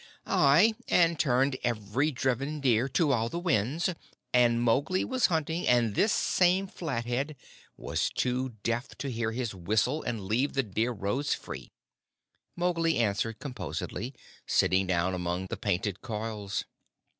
"Ay, and turned every driven deer to all the winds, and Mowgli was hunting, and this same Flathead was too deaf to hear his whistle, and leave the deer roads free," Mowgli answered composedly, sitting down among the painted coils.